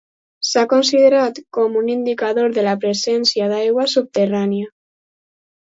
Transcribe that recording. S'ha considerat com un indicador de la presència d'aigua subterrània.